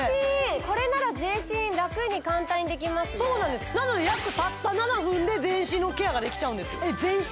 これなら全身ラクに簡単にできますねそうなんですなのに約たった７分で全身のケアができちゃうんですえっ全身？